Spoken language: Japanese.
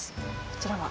こちらは？